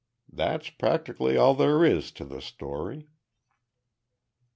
That's practically all there is to the story.